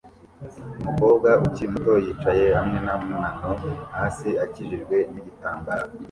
Umukobwa ukiri muto yicaye hamwe n'amano hasi akikijwe nigitambara